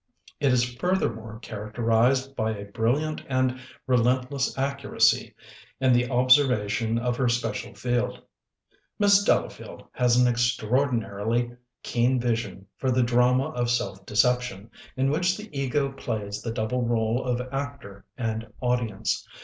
It is furthermore characterized by a brilliant and relentless accuracy in the observation of her special field. Miss Delafield has an extraordinarily keen vision for the drama of self deception in which the ego plays the double role of actor and audience.